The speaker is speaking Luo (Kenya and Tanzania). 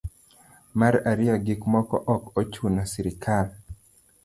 mar ariyo gik moko ok ochuno srikal